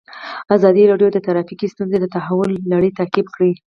ازادي راډیو د ټرافیکي ستونزې د تحول لړۍ تعقیب کړې.